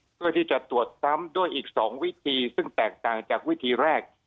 เพื่อที่จะตรวจซ้ำด้วยอีก๒วิธีซึ่งแตกต่างจากวิธีแรก